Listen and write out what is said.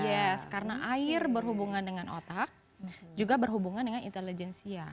yes karena air berhubungan dengan otak juga berhubungan dengan intelijensia